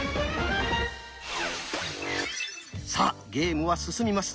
さあゲームは進みます。